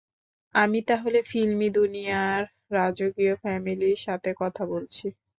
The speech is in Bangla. আমি তাহলে ফিল্মি দুনিয়ার রাজকীয় ফ্যামিলির সাথে কথা বলছি।